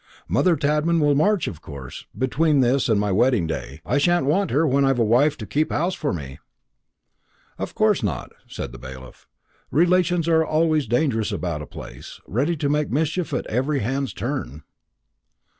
Mother Tadman will march, of course, between this and my wedding day. I sha'n't want her when I've a wife to keep house for me." "Of course not," said the bailiff. "Relations are always dangerous about a place ready to make mischief at every hand's turn."